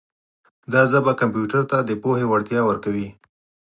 دا ژبه کمپیوټر ته د پوهې وړتیا ورکوي.